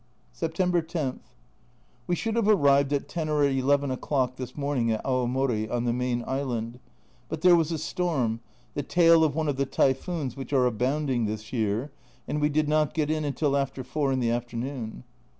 September 10. We should have arrived at 10 or 1 1 o'clock this morning at Aomori (on the main island), but there was a storm, the tail of one of the typhoons which are abounding this year, and we did not get in until after 4 in the afternoon.